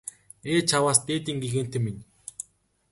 Ээ чааваас дээдийн гэгээнтэн минь!